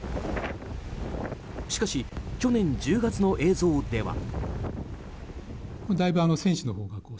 しかし去年１０月の映像では。